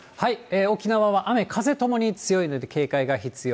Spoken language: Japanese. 沖縄は雨、風ともに強いので警戒が必要。